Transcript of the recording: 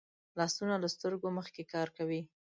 لاسونه له سترګو مخکې کار کوي